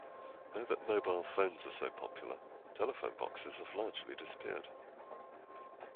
Now that mobile phones are so popular, telephone boxes have largely disappeared